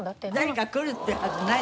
誰か来るってはずない。